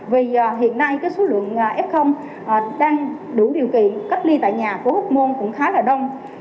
vì hiện nay số lượng f đang đủ điều kiện cách ly tại nhà phố hóc môn cũng khá là đông